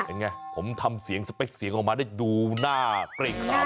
เห็นไงผมทำเสียงสเปคเสียงออกมาได้ดูหน้าเกร็งขาว